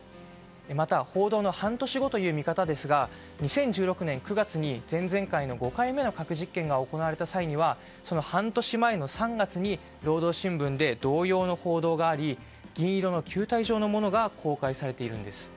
また、報道の半年後という見方ですが２０１６年９月に前々回の５回目の核実験が行われた時にはその半年前の３月に労働新聞で同様の報道があり銀色の球体状のものが公開されているんです。